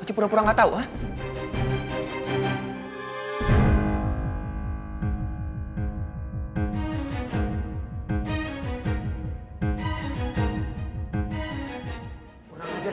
masih pura pura gak tahu ha